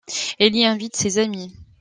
Il y invite ses amis.